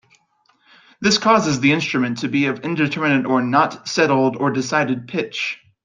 This causes the instrument to be of indeterminate or not settled or decided pitch.